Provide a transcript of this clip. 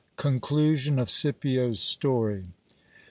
— Conclusion of Scipio's story.